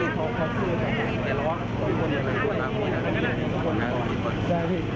เดินมาแล้วแบบโซมลรศัตริย์